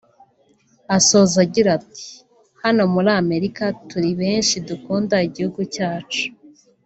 Asoza agira ati “Hano muri Amerika turi benshi dukunda igihugu cyacu